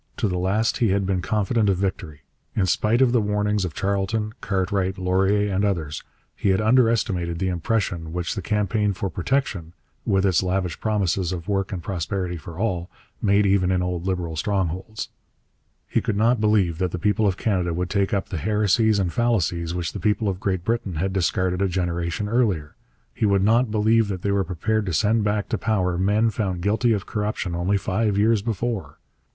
To the last he had been confident of victory. In spite of the warnings of Charlton, Cartwright, Laurier, and others, he had underestimated the impression which the campaign for protection, with its lavish promises of work and prosperity for all, made even in old Liberal strongholds. He could not believe that the people of Canada would take up the heresies and fallacies which the people of Great Britain had discarded a generation earlier. He would not believe that they were prepared to send back to power men found guilty of corruption only five years before.